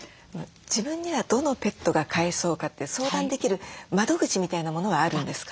自分にはどのペットが飼えそうかって相談できる窓口みたいなものはあるんですか？